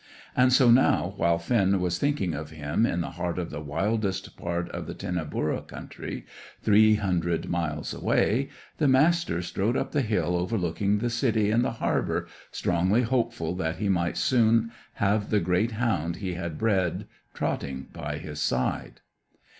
And so now while Finn was thinking of him, in the heart of the wildest part of the Tinnaburra country, three hundred miles away, the Master strode up the hill overlooking the city and the harbour, strongly hopeful that he might soon have the great hound he had bred trotting by his side.